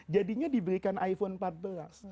jadinya diberikan iphone empat belas